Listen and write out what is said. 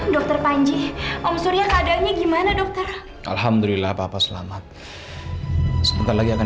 dokter panji om surya keadaannya gimana dokter alhamdulillah papa selamat sebentar lagi akan